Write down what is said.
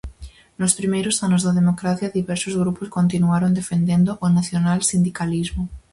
Nos primeiros anos da democracia diversos grupos continuaron defendendo o nacionalsindicalismo.